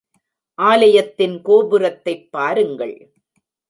ஆலயத்தின் கோபுரத்தைப் பாருங்கள்.